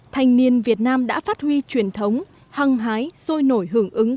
thanh niên việt nam đã phát huy truyền thống hăng hái sôi nổi hưởng ứng các quốc gia